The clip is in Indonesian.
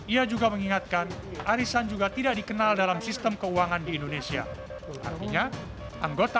ia juga mengingatkan arisan juga tidak dikenal dalam sistem keuangan di indonesia artinya anggota